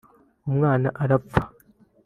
umwana arapfa